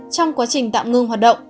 trong quá trình tạm ngưng hoạt động